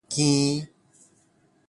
羹